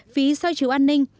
phí xoay chiều an ninh